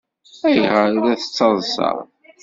Ayɣer ay la tettaḍsaḍ?